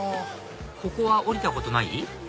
ここは降りたことない？